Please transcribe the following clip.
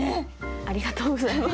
ありがとうございます。